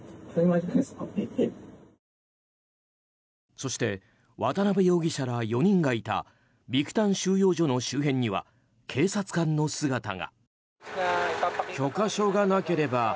そして渡邉容疑者ら４人がいたビクタン収容所の周辺には警察官の姿が。